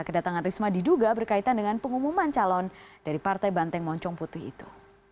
kedatangan risma diduga berkaitan dengan pengumuman calon dari partai banteng moncong putih itu